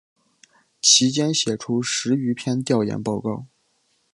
其间写出十余篇调研报告。